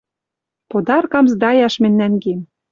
Подаркам сдаяш мӹнь нӓнгем!